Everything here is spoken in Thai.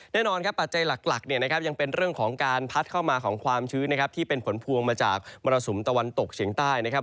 แน่นอนครับปัจจัยหลักเนี่ยนะครับยังเป็นเรื่องของการพัดเข้ามาของความชื้นนะครับที่เป็นผลพวงมาจากมรสุมตะวันตกเฉียงใต้นะครับ